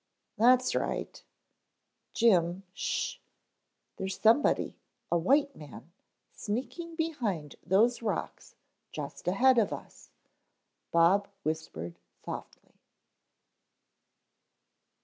"That's right " "Jim, shhh there's somebody, a white man, sneaking behind those rocks just ahead of us," Bob whispered softly.